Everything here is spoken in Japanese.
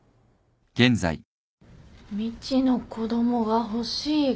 「みちの子供が欲しい」か。